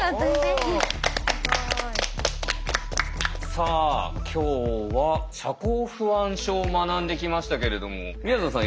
さあ今日は社交不安症を学んできましたけれどもみやぞんさん